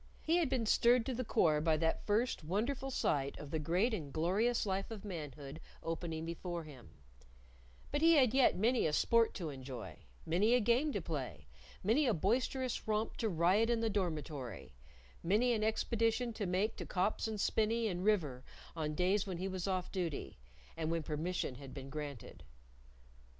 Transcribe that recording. He had been stirred to the core by that first wonderful sight of the great and glorious life of manhood opening before him, but he had yet many a sport to enjoy, many a game to play, many a boisterous romp to riot in the dormitory, many an expedition to make to copse and spinney and river on days when he was off duty, and when permission had been granted.